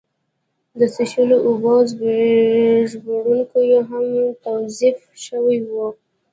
د څښلو اوبه او ژباړونکي هم توظیف شوي وو.